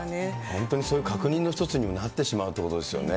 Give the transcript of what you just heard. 本当にそういう確認の一つにもなってしまうということですよね。